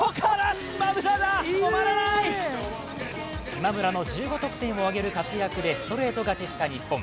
島村の１５得点を挙げる活躍でストレート勝ちした日本。